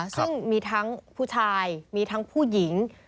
ซึ่งมีทั้งผู้ชายมีทั้งผู้หญิง